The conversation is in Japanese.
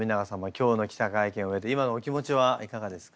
今日の記者会見を終えて今のお気持ちはいかがですか？